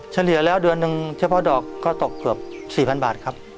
เฉลี่ยแล้วเดือนหนึ่งเฉพาะดอกก็ตกเกือบ๔๐๐บาทครับ